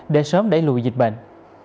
để sớm đẩy lùi dịch bệnh